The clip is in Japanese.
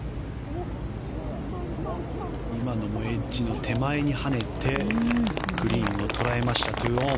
今のもエッジの手前に跳ねてグリーンを捉えて２オン。